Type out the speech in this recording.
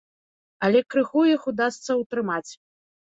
Але крыху іх удасца ўтрымаць.